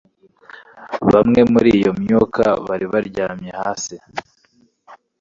Bamwe muri iyo myuka bari baryamye hasi